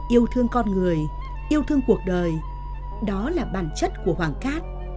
yêu thương con người yêu thương cuộc đời đó là bản chất của hoàng cát